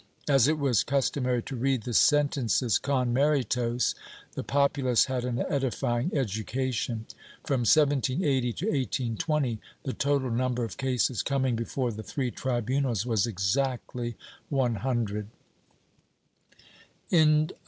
^ As it was custo mary to read the sentences con vwritos, the populace had an edifying education. From 1780 to 1820, the total number of cases coming before the three tribunals was exactly one hundred.